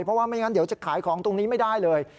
เพราะว่าไม่งั้นเดี๋ยวจะขายของตรงนี้ไม่ได้เลย